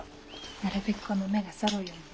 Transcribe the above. なるべくこの目がそろうようにね。